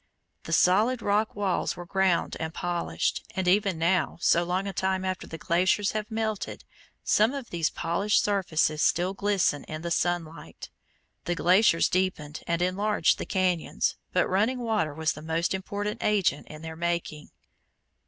The solid rock walls were ground and polished, and even now, so long a time after the glaciers have melted, some of these polished surfaces still glisten in the sunlight. The glaciers deepened and enlarged the cañons, but running water was the most important agent in their making.